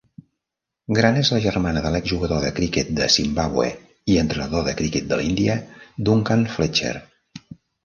Grant és la germana de l'ex jugador de criquet de Zimbabwe i entrenador de criquet de l'Índia, Duncan Fletcher.